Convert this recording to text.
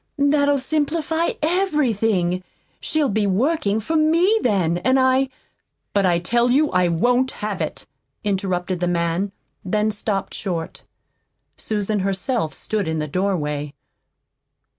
that'll simplify everything. She'll be working for ME, then, and I " "But I tell you I won't have " interrupted the man, then stopped short. Susan herself stood in the doorway.